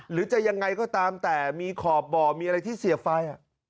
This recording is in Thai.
หรือจะยังไงก็ตามแต่มีขอบบ่อมีอะไรที่เสียบไฟ